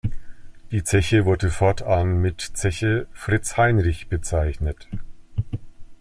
Die Zeche wurde fortan mit Zeche Fritz-Heinrich bezeichnet.